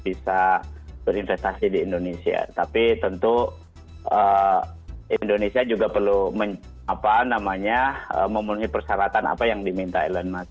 bisa berinvestasi di indonesia tapi tentu indonesia juga perlu memenuhi persyaratan apa yang diminta elon musk